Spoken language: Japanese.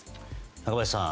中林さん